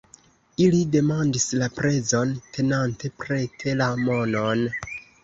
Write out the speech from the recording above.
Ili demandis La prezon, tenante prete la monon.